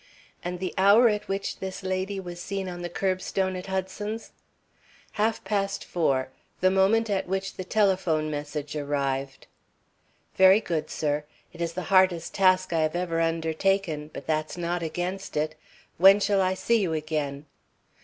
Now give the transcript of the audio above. "And the hour at which this lady was seen on the curbstone at Hudson's?" "Half past four; the moment at which the telephone message arrived." "Very good, sir. It is the hardest task I have ever undertaken, but that's not against it. When shall I see you again?"